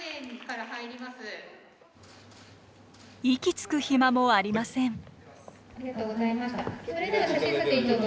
息つく暇もありません。